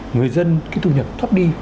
người dân cái thu nhập thấp đi